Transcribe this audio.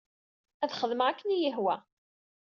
Ad xedmeɣ akken i iyi-yehwa.